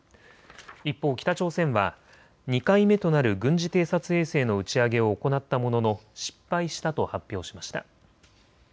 一方、北朝鮮は２回目となる軍事偵察衛星の打ち上げを行ったものの失敗したと発表しました。